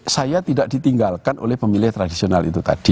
saya tidak ditinggalkan oleh pemilih tradisional itu tadi